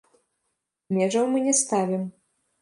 Межаў мы не ставім.